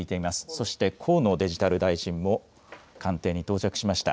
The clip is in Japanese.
そして河野デジタル大臣も官邸に到着しました。